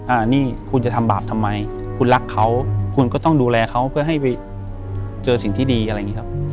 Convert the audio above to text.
อันนี้คุณจะทำบาปทำไมคุณรักเขาคุณก็ต้องดูแลเขาเพื่อให้ไปเจอสิ่งที่ดีอะไรอย่างนี้ครับ